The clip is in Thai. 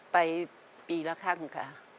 ไปปีละครั้งค่ะ